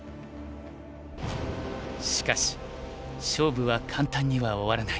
しかし勝負は簡単には終わらない。